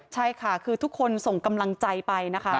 ใช่ค่ะคือทุกคนส่งกำลังใจไปนะคะ